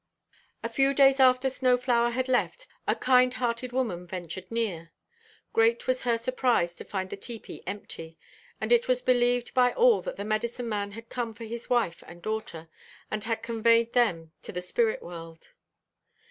A few days after Snow flower had left, a kind hearted woman ventured near. Great was her surprise to find the tepee empty; and it was believed by all that the medicine man had come for his wife and daughter, and had conveyed them to the spirit world.